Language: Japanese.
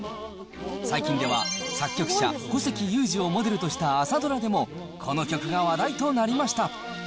最近では作曲者、古関裕而をモデルとした朝ドラでも、この曲が話題となりました。